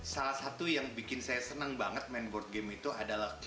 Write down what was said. salah satu yang bikin saya senang banget main board game itu adalah